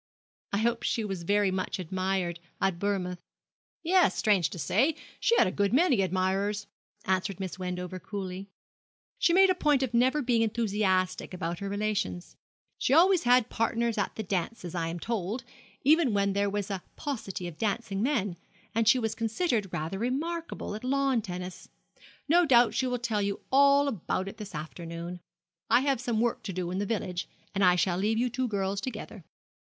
'I hope she was very much admired at Bournemouth.' 'Yes, strange to say, she had a good many admirers,' answered Miss Wendover coolly. 'She made a point of never being enthusiastic about her relations. She had always partners at the dances, I am told, even when there was a paucity of dancing men; and she was considered rather remarkable at lawn tennis. No doubt she will tell you all about it this afternoon. I have some work to do in the village, and I shall leave you two girls together.'